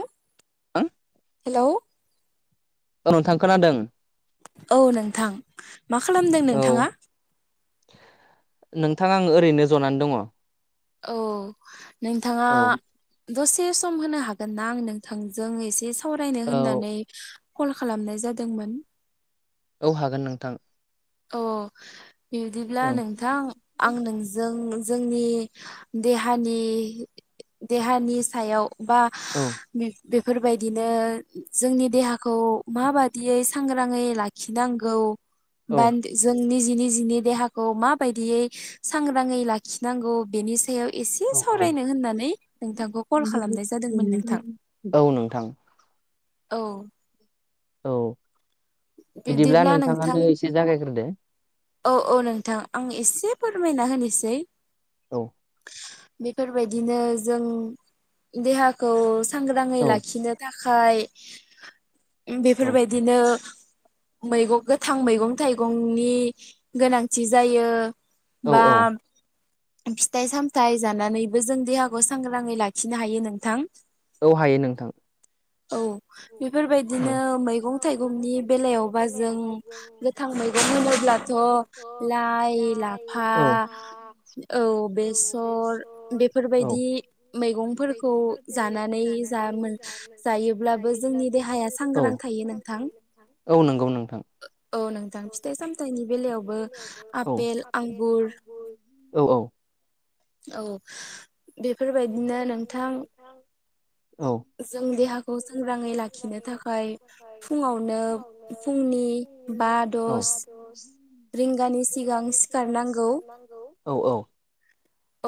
ओ हेल' औ नोंथां खोनादों औ नोंथां मा खालामदों नोंथाङा नोंथां आं ओरैनो जनानै दङ औ नोंथाङा दसे सम होनो हागोनना आं नोंथांजों एसे सावरायनो होननानै कल खालामनाय जादोंमोन औ हागोन नोंथां अ बिदिब्ला नोंथां आं नोंजों जोंनि देहानि देहानि सायाव बा बेफोरबायदिनो जोंनि देहाखौ मा बादियै सांग्रांयै लाखिनांगौ बा जोंनि दिनि जिनि देहाखौ माबायदियै सांग्राङै लाखिनांगौ बेनि सायाव एसे सावरायनो होननानै नोंथांखौ कल खालामनाय जादोंमोन नोंथां औ औ बिदिब्ला नोंथाङानो एसे जागायग्रोदो औ औ नोंथां आं एसे फोरमायना होनिसै औ बेफोरबायदिनो जों देहाखौ सांग्राङै लाखिनो थाखाय थाखाय बेफोरबायदिनो मैगं गोथां मैगं थाइगंनि गोनांथि जायो बा फिथाइ सामथायाइ जानानैबो जों देहाखौ सांग्राङै लाखिनो हायो नोंथां औ हायो नोंथां औ बेफोरबायदिनो मैगं थाइगंनि बेलायावबा जों गोथां मैगं होनोब्ला थ' लाइ लाफा औ बेसर बे बेफोरबायदि मैगंफोरखौ जानानै जामो जायोब्लाबो जोंनि दे हाया सांग्रां थायो नोंथां औ नोंथां फिथाइ सामथाइनि यावबो आपेल आंगुर औ औ औ बेफोरबायदिनो नोंथां जों देहाखौ खौ सांग्राङै लाखिनो थाखाय फुङावनो फुंनि बा दस [unintelligible] [unintelligible] रिंगानि सिगां सिखार नांगौ औ औ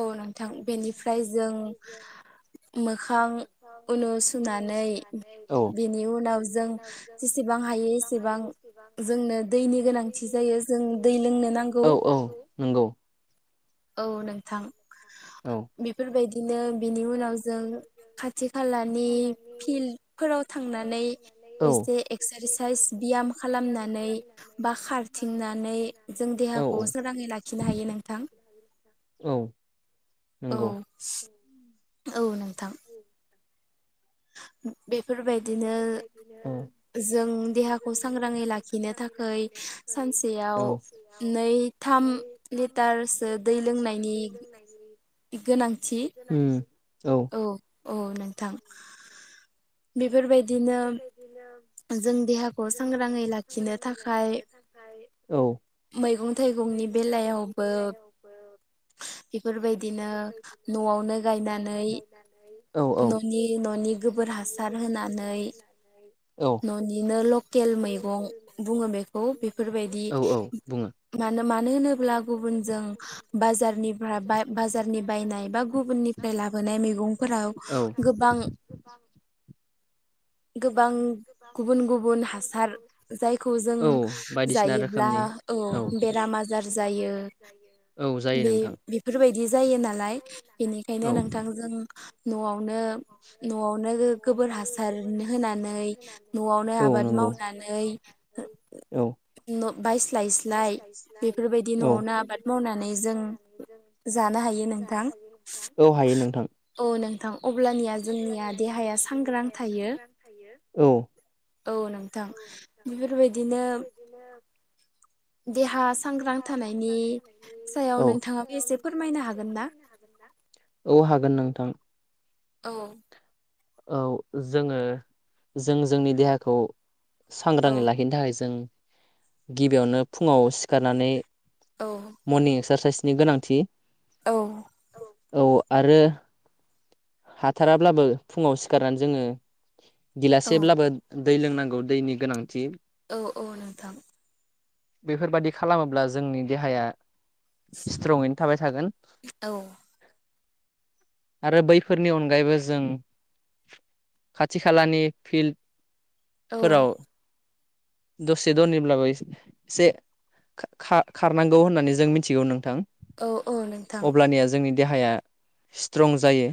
औ नोंथां बेनिफ्राय जों मोखां उनु सुनानै बेनि उनाव जों जसेबां हायो‌‌ एसेबां जोंनो दै दैनि गोनांथि जायो जों दै लोंनो नांगौ औ नोंथां बेफोरबायदि बिदिनो बिनि उनाव जों खाथि खालानि फिल्डफोराव थांनानै एसे एक्सारसाइस बियाम खालामनानै बा खारथिंनानै जों देहाखौ सोराङै लाखिनो हायो नोंथां औ नंगौ औ नोंथां बेफोरबायदिनो जों देहाखौ सांग्राङै लाखिनो थाखाय सानसेयाव नै थाम लिटारसो दै लोंनायनि गोनांथि औ औ नोंथां बेफोरबायदिनो जों देहाखौ सांग्राङै लाखिनो थाखाय। मैगं थाइगंनि बेलायावबो। बेफोरबायदिनो न'आवनो गायनानै न'नि न'नि। गोबोर हासार होनानै औ। न'निनो लकेल मैगं बुङो बेखौ बेफोरबायदि। मानो मानो होनोब्ला गुबुनजों बाजारनिफ्रा बाजारनि बायनाय बा गुबुननि। निफ्राय लाबोनाय मैगंफोराव गोबां। गोबां। गुबुन गुबुन हासार जायखौ जों जायोब्ला औ। बेराम आजार जायो बे बेफोरबायदि जायोनालाय बिनिखायनो नोंथांजों। न'आवनो न'आवनो गोबोर हासार होनानै। न'आवनो आबाद मावनानै हो ओ न' बायस्लायस्लाय बेफोरबायदि न'आवनो आबाद मावनानै जों जा नो हायो नोंथां औ नोंथां अब्लानिया जोंनिया देहाया सांग्रां थायो। औ। औ नोंथां बेफोर बायदिनो देहा सांग्रां थानायनि सायाव नोंथाङाबो एसे फोरमायनो हागोन ना? [inaudible] औ हागोन नोंथां। औ। औ जोङो जों जोंनि देहाखौ सांग्राङै लाखिनो थाखाय जों गिबियावनो फुङाव सिखारनानै मरनिं एगक्सारसाइसनि गोनांथि। औ। औ। आरो हाथाराब्लाबो फुङाव सिखारनानै जोङो गिलासेब्लाबो दै लोंनांगौ दैनि गोनांथि। औ औ नोंथां। बेफोरबादि खालामोब्ला जोंनि देहाया स्ट्रङैनो थाबाय थागोन। आरो बै फोरनि अनगायैबो जों खाथि खालानि फिल्ड फोराव दसे दनै ब्लाबो एसे खा-खा-खारनांगौ होननानै जों मिथिगौ नोंथां। औ औ नोंथां। देहाया स्ट्रं जायो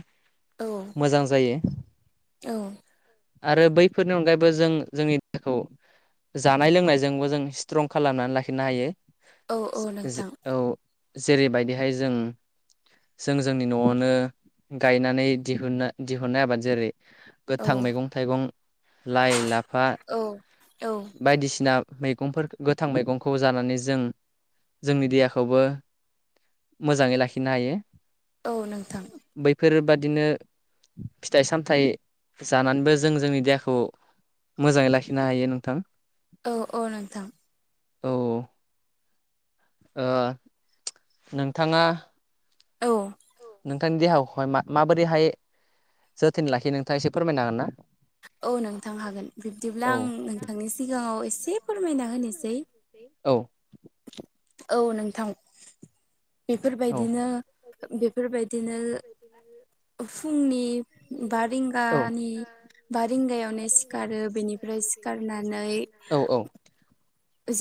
मोजां जायो। औ। आरो बैफोरनि अनगायैबो जों जोंनि देहाखौ जानाय लोंनायजोंबो जों स्ट्रं खालामनानै लाखिनो हायो। जो-जो औ। जेरैबायदिहाय जों जों जोंनि न'आवनो गायना नै दिहुना दिहुननाय आबाद जेरै गोथां मैगं थाइगं लाइ, लाफा, बायदिसिना। मैगंफोर गोथां मैगंखौ जानानै जों जोंनि देहाखौबो मोजाङै लाखिनो हायो। औ नोंथां। फोरबादिनो फिथाइ सामथाइ जानानैबो जों जोंनि देहाखौ मोजाङै लाखिनो हायो नोंथां। औ औ नोंथां। औ ओ नोंथाङा औ। नोंथांनि देहाखौहाय मा-माबोरैहाय जोथोन लाखियो नोंथाङा एसे फोरमायनो हागोन ना? औ नोंथां हागोन। बिब्दिब्ला आं नोंथांनि सिगाङाव एसे फोरमायना होनोसै। औ। औ नोंथां बेफोरबायदिनो बिदिनो बेफोरबायदि आरो फुंनि बा रिंगानि बा रिंगायावनो सिखारो बेनिफ्राय सिखारनानै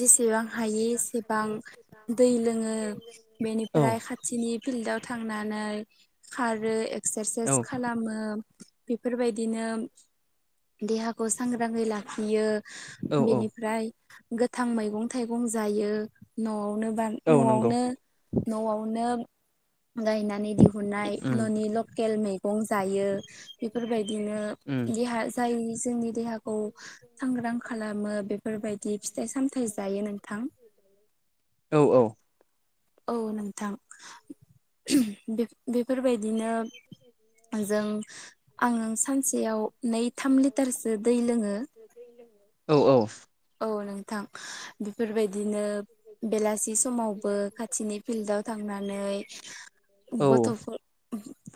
जेसेबां हायो एसेबां दै लोङो बेनि फ्राय खाथिनि फिल्डाव थांनानै खारो एक्सारसाइस खालामो। बेफोरबायदिनो देहाखौ सांग्राङै लाखियो बिनिफ्राय गोथां मैगं थाइगं जायो न'आव नो न'आवनो न'आवनो गायनानै दिहुननाय न'नि लक्केल मैगं जायो बेफोरबायदिनो देहा जाय जोंनि देहाखौ सांग्रां खालामो बेफोरबायदि [inaudible] औ औ औ नोंथां [unintelligible] बेफोरबायदिनो जों आङो सानसेयाव नै थाम लिटारसो दै लोङो। औ औ औ नोंथां बेफोरबायदिनो बेलासि समावबो खा थिनि फिल्डाव थांनानै गथ'फोर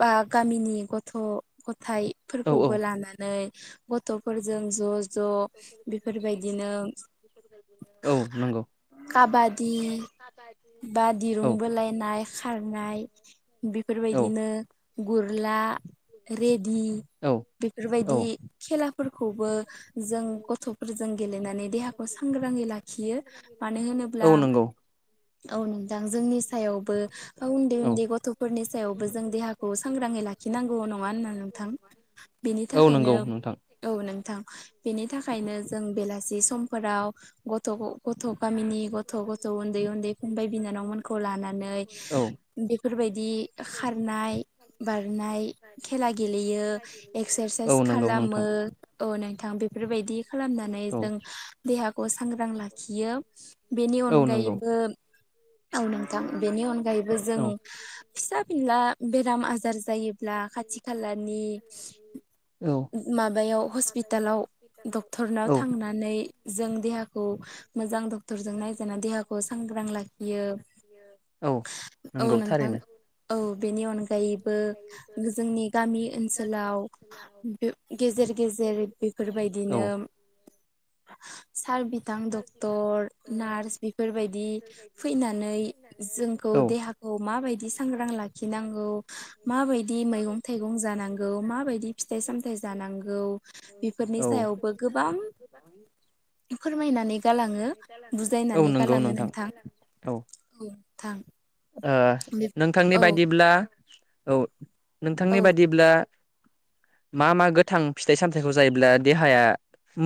बा गामिनि गथ' गथाइफोरखौबो लानानै गथ'फोरजों ज' ज' बेफोरबायदिनो [inaudible] काबादि बा दिरुं बोलायनाय खारनाय बेफोरबायदिनो गुरला रेडि बेफोरबायदि खेलाफोरखौबो जों गथ'फोरजों गेलेनानै देहाखौ सांग्राङै लाखियो मानो होनोब्ला औ नोंथां जोंनि सायावबो उन्दै उन्दै गथ'फोरनि सायावबो जों देहाखौ सांग्राङै लाखिनांगौ नङा होनना नोंथां बेनि थाखायनो औ नोंथां बेनि थाखायनो जों बेलासि समफोराव गथ' गथ' गामिनि गथ' गथ' उन्दै उन्दै फंबाय बिनानावमोनखौ लानानै बेफोरबायदि खारनाय बार नाय खेला गेलेयो एक्सारसाइस खालामो अने बेफोरबायदि खालामनानै जों देहा सांग्रां लाखियो बेनि अनगायैबो औ नोंथां बेनि अनगायैबो जों फिसा फिनला बेराम आजार जायोब्ला खाथि खालानि [inaudible] माबायाव हस्पिटालाव डक्टरनाव थांनानै जों देहाखौ मोजां डक्टरजों नायजानानै देहाखौ सांग्रां ला लाखियो औ नोंथां औ बेनि अनगायैबो जोंनि गामि ओनसोलाव गेजेर गेजेर बेफोरबायदिनो सार बिथां डक्टर नार्स बेफोरबायदि फैनानै जोंखौ देहाखौ माबायदि सांग्रां लाखिनांगौ माबायदि मैगं थाइगं जानांगौ मा बायदि फिथाय सामथाय जानांगौ बेफोरनि सायावबो गो सायावबो गोबां फोरमायनानै गालाङो बुजायनानै गालाङो नोंथां [unintelligible] ओ नोंथांनि बायदिब्ला औ नोंथांनि बायदिब्ला मा मा गोथां फिथाइ सामथायाइखौ जायोब्ला देहाया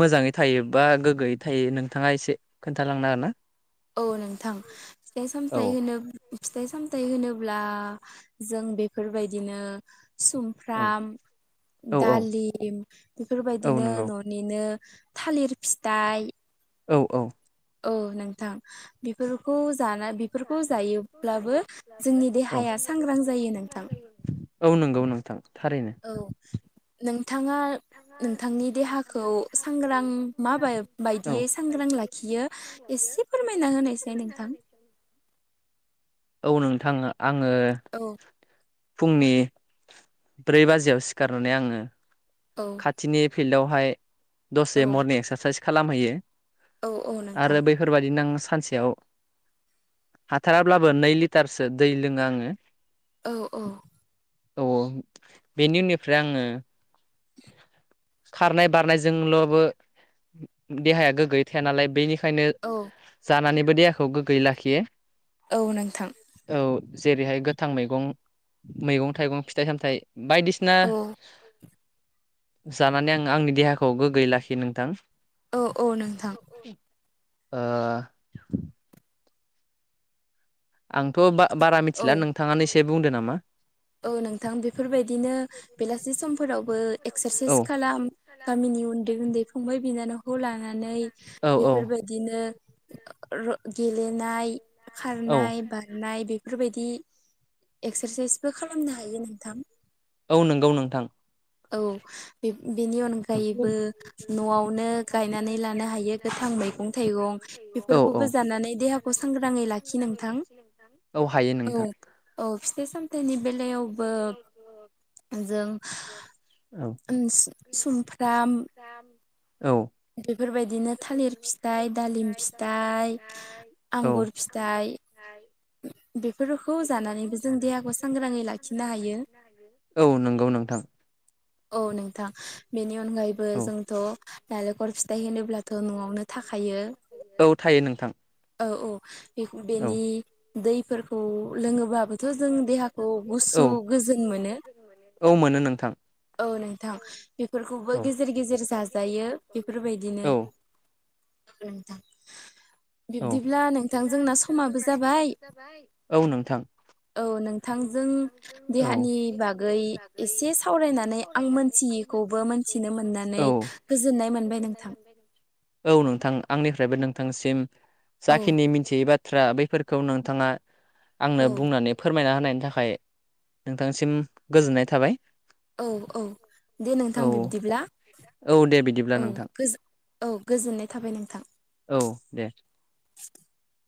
मोजाङै थायो बा गोग्गोयै थायो नोंथाङा एसे खोन्थालांनो हान औ नोंथां फिथाइ सामथाय होनो फिथाइ सामथायाइ होनोब्ला जों बेफोरबायदिनो सुमफ्राम दालिम बेफोरबायदिनो न'निनो थालिर फिथाइ औ औ औ नोंथां बेफोरखौ [unintelligible] बेफोरखौ जायोब्लाबो जोंनि देहाया सांग्रां जायो नोंथां। औ नोंगौ नोंथां औ नोंथाङा नोंथांनि देहाखौ सांग्रां मा बायदियै सांग्रां लाखियो एसे फोरमायना होनायसै नोंथां औ नोंथां आङो फुंनि ब्रै बाजियाव सिखारनानै आङो खाथिनि फिल्डआवहाय दसे मरनिं एक्सारसाइस खालामहैयो आरो बैफोरबायाददिनो आं सानसेयाव हाथाराब्लाबो नै लिटारसो दै लोङो आङो औ औ औ औ बेनि उननिफ्राय आङो [inaudible] खारनाय बारनायजोंल'बो देहाया गोग्गयै थाया नालाय बेनिखायनो ओंखायनो जानानैबो देहाखौ गोग्गोयै लाखियो औ नोंथां जेरैहाय गोथां मैगं मैगं थाइगं फिथाइ सामथायाइ बायदिसिना जानानै आं आंनि देहाखौ गोग्गयै लाखियो नोंथां औ औ नोंथां ओ आंथ' बारा मिथिला नोंथाङानो एसे बुंदो नामा औ नोंथां बेफोरबायदिनो बेलासि समफोरावबो एक्सारसाइस खालाम गामिनि उन्दै उन्दै फंबाय बिनानावखौ लानानै बेफोरबायदिनो गेलेनाय खारनाय बारनाय बे बेफोरबायदि एक्सारसाइसबो खालामनो हायो नोंथां औ नंगौ नोंथां औ बे बेनि अनगायैबो न'आवनो गायनानै लानो हायो गोथां मैगं थाइगं बेफोरखौबो जानानै देहाखौ सांग्राङै लाखि नोंथां औ औ फिथाइ साम थायनि बेलायावबो जों औ बेफोरबायदिनो थालिर फिथाइ दालिम फिथाइ आंगुर फिथाइ [inaudible] औ नंगौ थां औ नोंथां बेनि अनगायैबो जोंथ' नारेंखल फिथाइ होनोब्लाथ' न'आवनो थाखायो औ थायो औ औ बे बेनि दै खौ लोङोबाबोथ जों देहाखौ गुसु गोजोन मोनो औ नोंथां बेफोरखौबो गेजेर गेजेर जाजायो बेफोरबायदिनो नोंथां बिब्दिब्ला नोंथां जोंना समाबो जाबाय जाबाय औ नोंथां औ नोंथांजों देहानि बागै एसे सावरायनानै आं मोनथियो खौबो मोनथिनो मोननानै गोजोननाय मोनबाय नोंथां औ नोंथां आंनिफ्रायबो नोंथांसिम जाखिनि मिथियोबा बाथ्रा बैफोरखौ नोंथाङा आंनो बुंनानै फोरमायना होनायनि थाखाय नोंथांसिम गोजोननाय थाबाय औ औ दे नोंथां बिब्दिब्ला औ गोजोन औ गोजोननाय थाबाय नोंथां औ दे [inaudible]